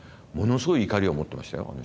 ものすごい怒りを持ってましたよ